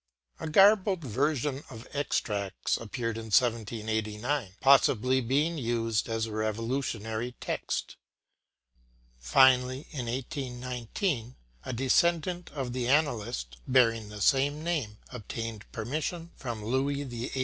A garbled version of extracts appeared in 1789, possibly being used as a Revolutionary text. Finally, in 1819, a descendant of the analyst, bearing the same name, obtained permission from Louis XVIII.